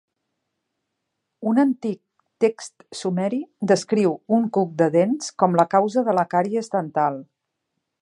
Un antic text sumeri descriu un "cuc de dents" com la causa de la càries dental.